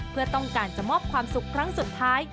เพื่อต้องการจะมอบความสุขครั้งสุดท้าย